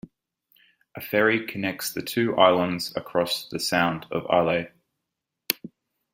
A ferry connects the two islands across the Sound of Islay.